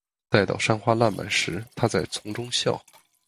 待到山花烂漫时，她在丛中笑。